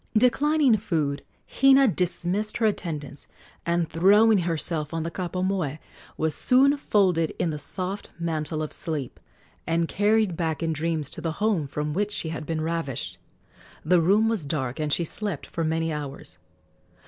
Declining food, Hina dismissed her attendants, and, throwing herself on the kapa moe, was soon folded in the soft mantle of sleep and carried back in dreams to the home from which she had been ravished. The room was dark, and she slept for many hours.